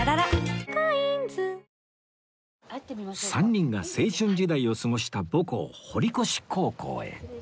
３人が青春時代を過ごした母校堀越高校へ